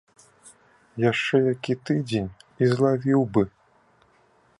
Яшчэ які тыдзень, і злавіў бы.